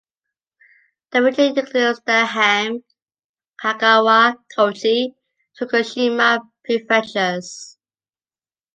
The region includes the Ehime, Kagawa, Kochi and Tokushima prefectures.